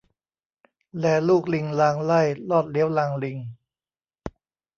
แลลูกลิงลางไหล้ ลอดเลี้ยวลางลิง